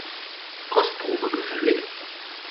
Kostprobe gefällig?